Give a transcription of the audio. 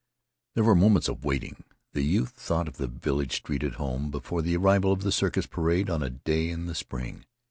There were moments of waiting. The youth thought of the village street at home before the arrival of the circus parade on a day in the spring.